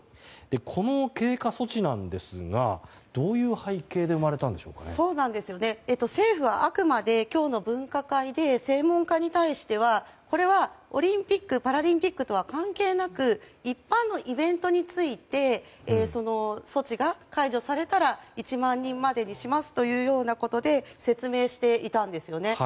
この経過措置なんですがどういう背景で政府はあくまで今日の分科会で専門家に対してはこれはオリンピック・パラリンピックとは関係なく一般のイベントについて措置が解除されたら１万人までにしますというようなことで説明していたんですね。